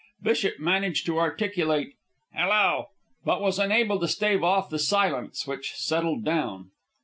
Bishop managed to articulate "Hello!" but was unable to stave off the silence which settled down.